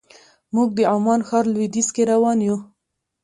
موږ د عمان ښار لویدیځ کې روان یو.